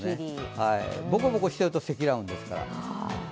ボコボコしていると積乱雲ですから。